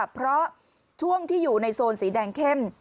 เพราะช่วงที่อยู่ในโซนสีแดงเข้ม